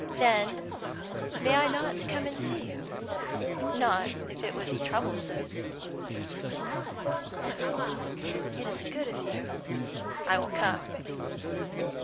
"Then may I not come and see you? Not if it would be troublesome." "It would not, at all." "It is good of you. I will come."